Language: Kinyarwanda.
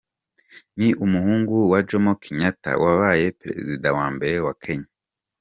Ni umuhungu wa Jomo Kenyatta wabaye Perezida wa mbere wa Kenya.